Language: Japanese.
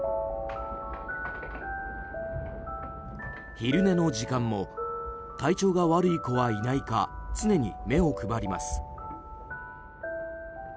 昼寝の時間も体調が悪い子はいないか常に目を配ります。